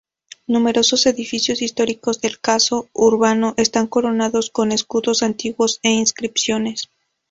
Numerosos edificios históricos del caso urbano están coronados con escudos antiguos e inscripciones.